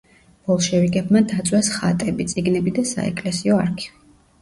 ბოლშევიკებმა დაწვეს ხატები, წიგნები და საეკლესიო არქივი.